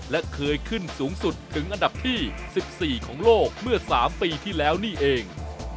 และเคยขึ้นสูงสุดถึงอันดับที่๑๔ของโลกเมื่อ๓ปีที่แล้วนี่เอง